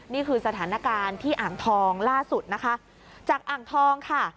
นี่คือสถานการณ์ที่อ่างทองล่าสุดนะคะจากอ่างทองค่ะ